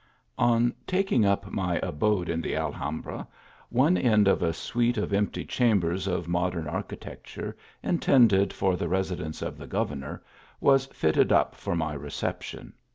ON taking up my abode in the Alhambra, one end cf a suite of empty chambers of modern architect ure, intended for the residence of the governor, was fitted up for my reception.